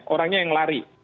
orangnya yang lari